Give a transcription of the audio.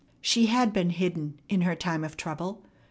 She had been hidden in her time of trouble.